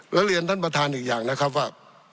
แล้วเรียนท่านประธานอีกอย่างนะครับว่า